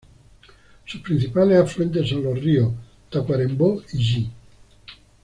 Sus principales afluentes son los ríos Tacuarembó y Yi.